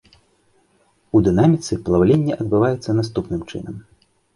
У дынаміцы, плаўленне адбываецца наступным чынам.